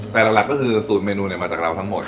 แต่หลักก็คือสูตรเมนูมาจากเราทั้งหมด